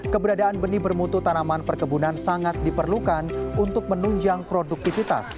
keberadaan benih bermutu tanaman perkebunan sangat diperlukan untuk menunjang produktivitas